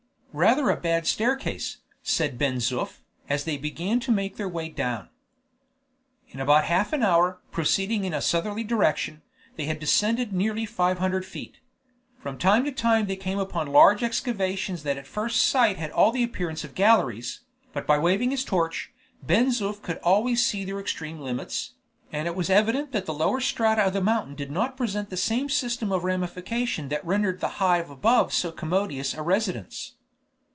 "Rather a bad staircase!" said Ben Zoof, as they began to make their way down. In about half an hour, proceeding in a southerly direction, they had descended nearly five hundred feet. From time to time they came upon large excavations that at first sight had all the appearance of galleries, but by waving his torch, Ben Zoof could always see their extreme limits, and it was evident that the lower strata of the mountain did not present the same system of ramification that rendered the Hive above so commodious a residence.